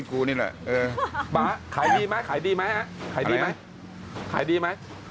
ขายดีไหม